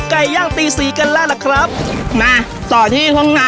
ไก่ย่างตีสีกันแล้วล่ะครับมาต่อที่ช่วงใน